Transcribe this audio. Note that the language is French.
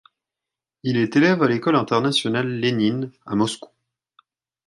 Il est élève à l'École internationale Lénine à Moscou.